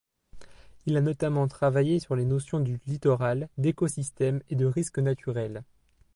Il a notamment travaillé sur les notions de littoral, d'écosystème et de risque naturel.